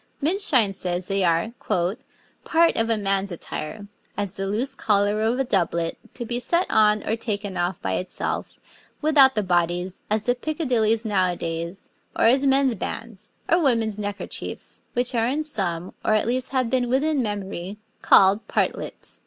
Minshein says they are 'part of a man's attire, as the loose collar of a doublet, to be set on or taken off by itself, without the bodies, as the picadillies now a daies, or as mens' bands, or womens' neckerchiefs, which are in some, or at least have been within memorie, called partlets.'